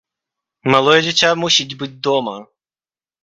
Малое дзіця мусіць быць дома!